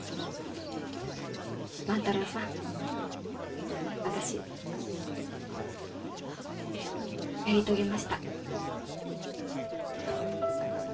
万太郎さん私やり遂げました。